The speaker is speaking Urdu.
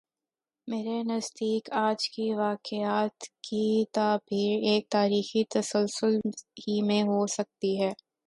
میرے نزدیک آج کے واقعات کی تعبیر ایک تاریخی تسلسل ہی میں ہو سکتی ہے۔